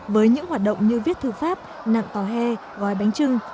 với những hoạt động như viết thư pháp nạn tòa hè gói bánh trưng